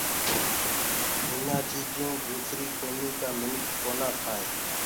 ايٚنآ چيٚجيئونٚ دوسريٚ ڪوميٚ ڪا مِنک ڪونآ کآئينٚ۔